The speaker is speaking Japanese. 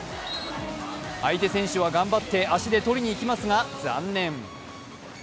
相手選手は頑張って足で取りに行きますが残念。